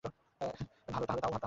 ভালো, তাও তাহলে।